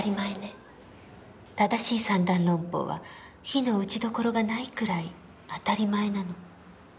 正しい三段論法は非の打ちどころがないくらい当たり前なの。